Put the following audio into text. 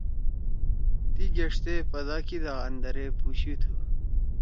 تی گیݜتے پدا کیِدا اندرے پو تُھو۔